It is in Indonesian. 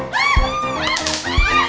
pergi pergi pergi